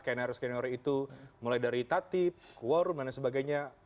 scanner scanner itu mulai dari tati kuwarum dan sebagainya